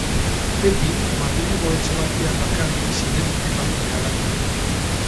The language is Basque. Pepi Madrilgo etxe batean bakarrik bizi den emakumea da.